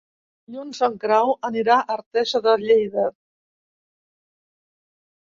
Dilluns en Grau anirà a Artesa de Lleida.